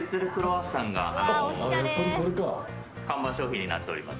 看板商品になっております。